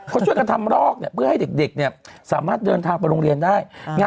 เขาช่วยกันทำรอกเพื่อให้เด็กสามารถเดินทางไปโรงเรียนได้